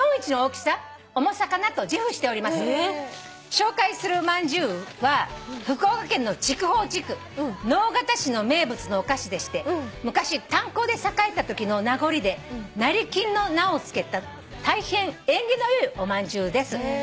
「紹介する饅頭は福岡県の筑豊地区直方市の名物のお菓子でして昔炭鉱で栄えたときの名残で成金の名を付けた大変縁起の良いお饅頭です」